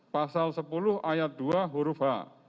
pasal sepuluh ayat dua huruf h